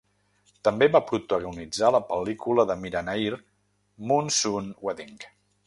També va protagonitzar la pel·lícula de Mira Nair "Monsoon Wedding".